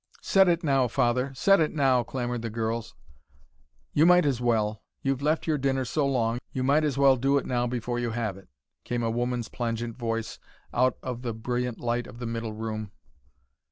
"Set it now, Father. Set it now," clamoured the girls. "You might as well. You've left your dinner so long, you might as well do it now before you have it," came a woman's plangent voice, out of the brilliant light of the middle room.